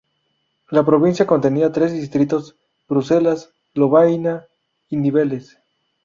La provincia contenía tres distritos: Bruselas, Lovaina y Nivelles.